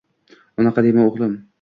Unaqa dema o`g`lim